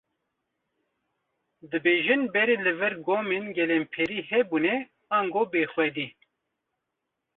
Dibêjin berê li vir gomên gelemperiyê hebûne, ango bêxwedî.